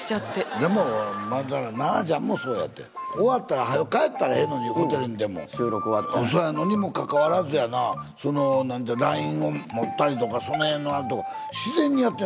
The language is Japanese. でも、菜奈ちゃんもそうやて。終わったら、はよ帰ったらええのに、ホテルにでも。そやのにもかかわらずやなぁ、そのＬＩＮＥを持ったりとかその辺の、あと、自然にやってん。